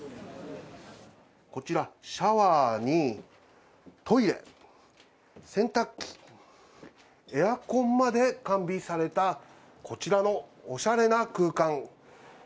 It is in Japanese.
こちら、シャワーにトイレ、洗濯機、エアコンまで完備されたこちらのおしゃれな空間。